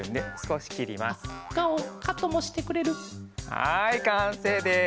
はいかんせいです！